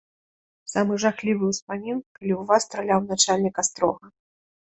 Самы жахлівы ўспамін, калі ў вас страляў начальнік астрога.